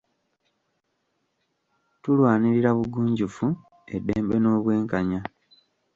Tulwanirira bugunjufu, eddembe n'obwenkanya.